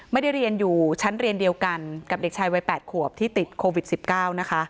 ไม่ได้เรียนอยู่ชั้นเรียนเดียวกันกับเด็กชายวัย๘ขวบที่ติดโควิด๑๙นะคะ